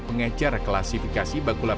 pengejar klasifikasi bagulasi